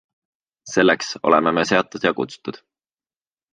Selleks oleme me seatud ja kutsutud.